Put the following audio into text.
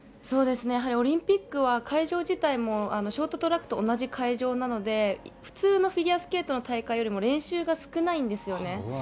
やはりオリンピックは、会場自体も、ショートトラックと同じ会場なので、普通のフィギュアスケートの大会よりも練習が少ないんですよね。